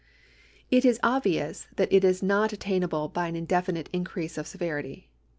It is obvious that it is not attain able by an indefinite increase of severity.